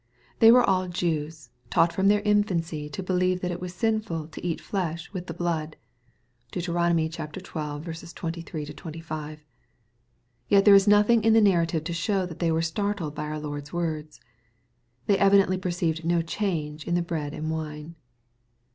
They were aU Jews, taught firom their infancy to believe that it was sinful to cat flesh with the blood« (Deut. xii. 23 — 25.) Yet there is nothing in the nar rative to shew that they were startled by our Lord's words. They evidently perceived no change in the bread and wine.